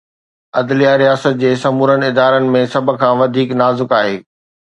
عدليه رياست جي سمورن ادارن ۾ سڀ کان وڌيڪ نازڪ آهي.